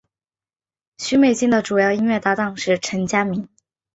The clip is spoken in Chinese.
许美静的主要音乐搭档是陈佳明。